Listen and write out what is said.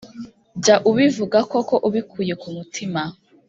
jya ubivuga koko ubikuye ku mutima